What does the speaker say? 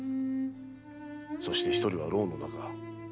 そして一人は牢の中。